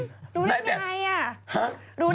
ดูได้ยังไง